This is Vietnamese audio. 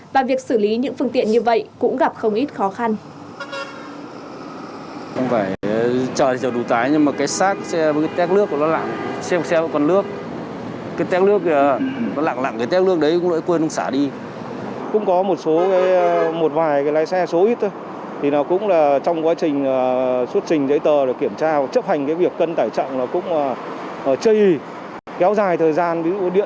và việc xử lý những phương tiện như vậy cũng gặp không ít khó khăn